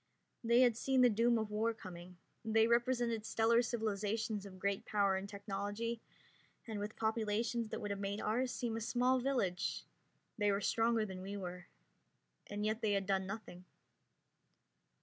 They had seen the doom of war coming. They represented stellar civilizations of great power and technology, and with populations that would have made ours seem a small village; they were stronger than we were, and yet they had done nothing.